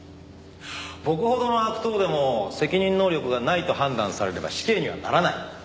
僕ほどの悪党でも責任能力がないと判断されれば死刑にはならない。